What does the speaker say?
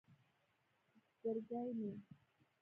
زرگی مې